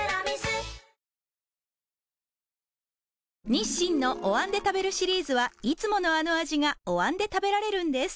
日清のお椀で食べるシリーズはいつものあの味がお椀で食べられるんです